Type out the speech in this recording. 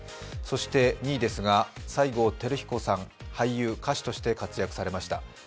そして２位ですが、西郷輝彦さん、俳優・歌手として活躍されました。